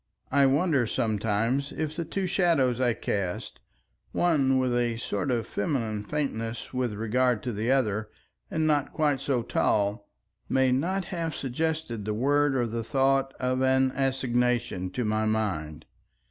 I wonder sometimes if the two shadows I cast, one with a sort of feminine faintness with regard to the other and not quite so tall, may not have suggested the word or the thought of an assignation to my mind.